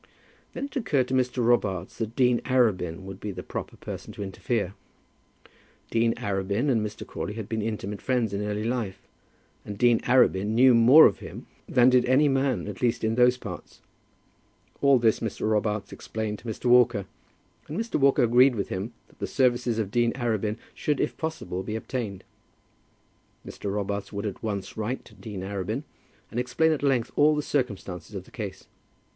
Then it occurred to Mr. Robarts that Dean Arabin would be the proper person to interfere. Dean Arabin and Mr. Crawley had been intimate friends in early life, and Dean Arabin knew more of him than did any man, at least in those parts. All this Mr. Robarts explained to Mr. Walker, and Mr. Walker agreed with him that the services of Dean Arabin should if possible be obtained. Mr. Robarts would at once write to Dean Arabin and explain at length all the circumstances of the case.